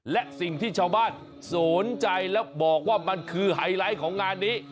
และสิ่งที่ชาวบ้านสนใจและบอกว่ามันคือไฮไลท์ของงานนี้